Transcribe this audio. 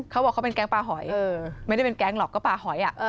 เขาบอกเขาเป็นแก๊งปลาหอยไม่ได้เป็นแก๊งหรอกก็ปลาหอย